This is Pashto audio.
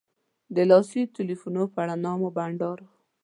د لاسي تیلفونو په رڼا مو بنډار و.